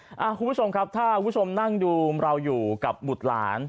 คุณผู้ชมครับถ้าคุณผู้ชมนั่งดูเราอยู่กับบุตรหลาน